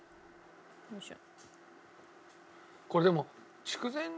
よいしょ。